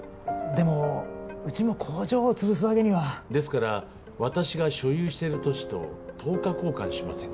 でもうちも工場を潰すわけにですから私が所有している土地と等価交換しませんか？